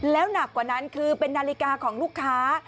แล้วหนักกว่านั้นคือเป็นนาฬิกาของลูกค้า